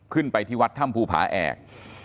ขึ้นไปที่วัดถ้ำภูผาแอก